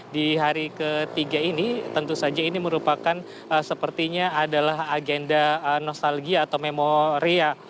di hari ketiga ini tentu saja ini merupakan sepertinya adalah agenda nostalgia atau memoria